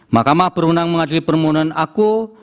mahkamah berunang mengadili permohonan aku